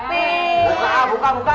buka buka buka